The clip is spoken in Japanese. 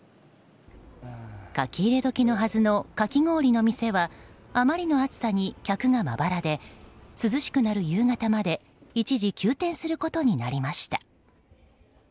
書き入れ時のはずのかき氷の店はあまりの暑さに客がまばらで涼しくなる夕方まで一時休店することになりました。